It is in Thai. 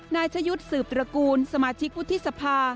นายชะยุทธ์สืบตระกูลสมาชิกวุฒิสภา